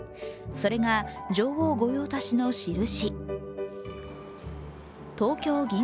それが女王御用達の印。